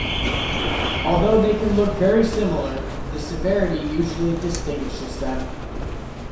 Although they can look very similar, the severity usually distinguishes them.